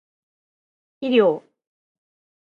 肥料